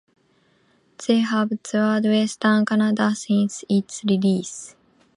They have toured western Canada since its release.